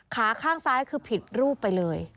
ขาข้างซ้ายคือผิดรูปไปเลย